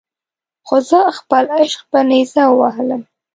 خو زه خپل عشق په نیزه ووهلم.